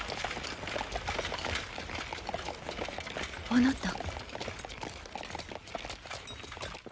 あなた。